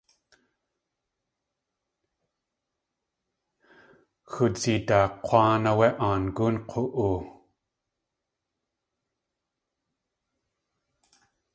Xudzidaa K̲wáan áwé Aangóon k̲u.oo.